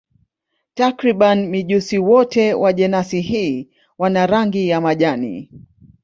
Takriban mijusi wote wa jenasi hii wana rangi ya majani.